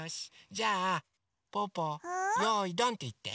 じゃあぽぅぽ「よいどん」っていって。